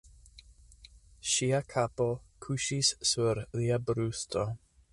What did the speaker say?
Ŝia kapo kuŝis sur lia brusto.